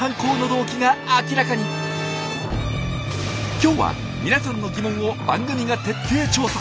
今日は皆さんの疑問を番組が徹底調査。